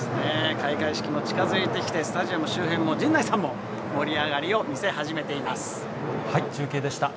開会式も近づいてきて、スタジアム周辺も、陣内さんも盛り上がり中継でした。